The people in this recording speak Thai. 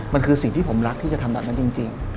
มันคือสิ่งที่ผมรักที่จะทำแบบนั้นจริง